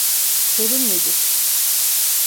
Sorun nedir?